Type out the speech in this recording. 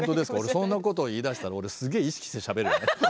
そんなことを言いだしたら俺すげえ意識してしゃべるよね。